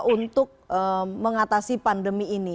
untuk mengatasi pandemi ini